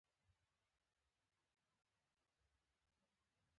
دا له مهال ویش سره د اهدافو ټاکل دي.